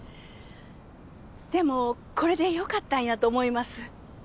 でもこれで良かったんやと思います。